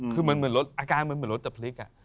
คืออาการเหมือนเผรี่ก